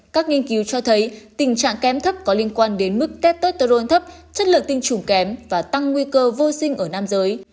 các nghiên cứu cho thấy tình trạng kem thấp có liên quan đến mức cartuserl thấp chất lượng tinh trùng kém và tăng nguy cơ vô sinh ở nam giới